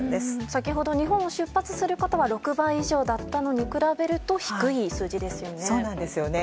先ほど日本を出発する方は６倍以上だったのに比べると低い数字ですよね。